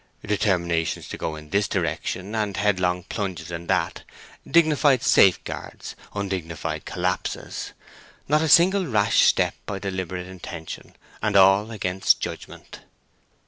Determinations to go in this direction, and headlong plunges in that; dignified safeguards, undignified collapses; not a single rash step by deliberate intention, and all against judgment.